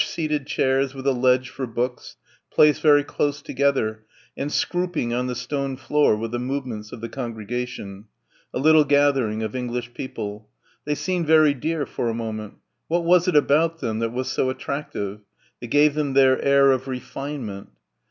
rush seated chairs with a ledge for books, placed very close together and scrooping on the stone floor with the movements of the congregation ... a little gathering of English people. They seemed very dear for a moment ... what was it about them that was so attractive ... that gave them their air of "refinement"?...